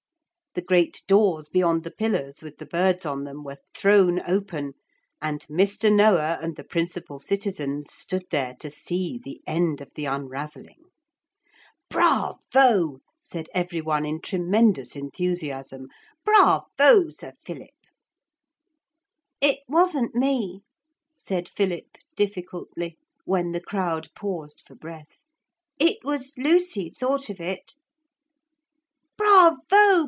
The great doors beyond the pillars with the birds on them were thrown open, and Mr. Noah and the principal citizens stood there to see the end of the unravelling. 'Bravo!' said every one in tremendous enthusiasm. 'Bravo! Sir Philip.' 'It wasn't me,' said Philip difficultly, when the crowd paused for breath; 'it was Lucy thought of it.' 'Bravo!